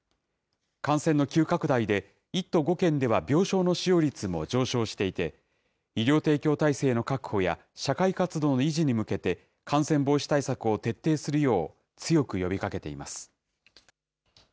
感染の急拡大で、１都５県では病床の使用率も上昇していて、医療提供体制の確保や社会活動の維持に向けて、感染防止対策を徹底するよう、強く呼びかけています。